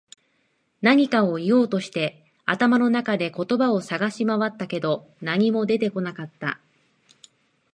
何かを言おうとして、頭の中で言葉を探し回ったけど、何も出てこなかった。